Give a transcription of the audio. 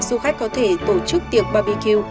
du khách có thể tổ chức tiệc barbecue